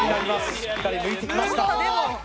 しっかり抜いてきました。